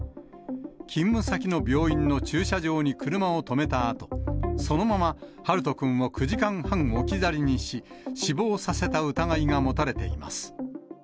勤務先の病院の駐車場に車を止めたあと、そのまま陽翔くんを９時間半置き去りにし、死亡させた疑いが持たれています。